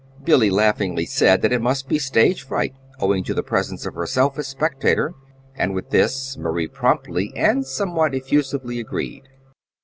Billy laughingly said that it must be stage fright, owing to the presence of herself as spectator; and with this Marie promptly, and somewhat effusively, agreed.